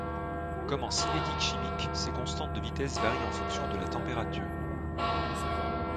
Comme en cinétique chimique, ces constantes de vitesse varient en fonction de la température.